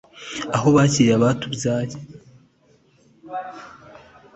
Aho bashiriye abatubyaye.